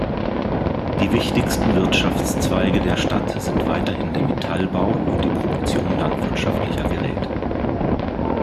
Die wichtigsten Wirtschaftszweige der Stadt sind weiterhin der Metallbau und die Produktion landwirtschaftlicher Geräte.